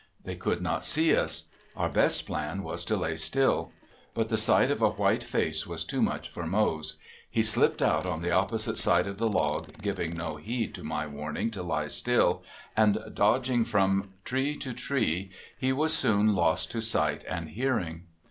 They could not see us. Our best plan was to lay still. But the sight of a white face was too much for Mose. He slipped out on the opposite side of the log, giving no heed to my warning to lie still, and, dodging from tree to tree, he was soon lost to sight and hearing.